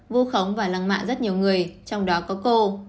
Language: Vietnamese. vu khống và lăng mạ rất nhiều người trong đó có cô